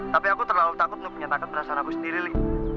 tapi aku terlalu takut untuk menyatakan perasaanku sendiri li